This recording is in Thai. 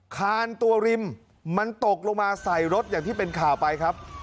คานตัวริมมันตกลงมาใส่รถอย่างที่เป็นข่าวไปครับ